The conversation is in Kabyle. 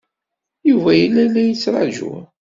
Yuba yella la k-yettṛaju.